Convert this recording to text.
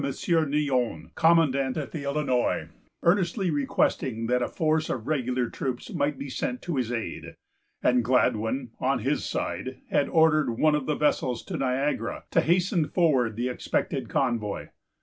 Neyon, commandant at the Illinois, earnestly requesting that a force of regular troops might be sent to his aid; and Gladwyn, on his side, had ordered one of the vessels to Niagara, to hasten forward the expected convoy.